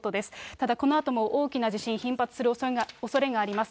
ただこのあとも大きな地震、頻発するおそれがあります。